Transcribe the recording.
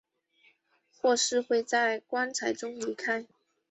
或是会在棺材中离开。